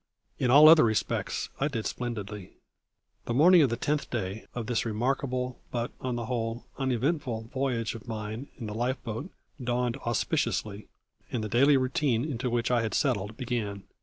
In all other respects I did splendidly. The morning of the tenth day of this remarkable but, on the whole, uneventful voyage of mine in the life boat dawned auspiciously, and the daily routine into which I had settled began.